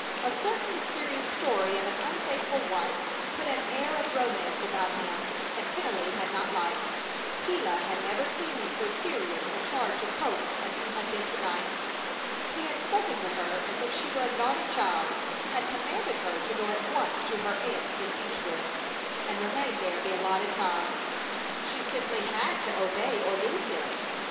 A certain mysterious story of an unfaithful wife put an air of romance about him that Tennelly had not liked. Gila had never seen him so serious and hard to coax as he had been to night. He had spoken to her as if she were a naughty child; had commanded her to go at once to her aunt in Beechwood and remain there the allotted time. She simply had to obey or lose him.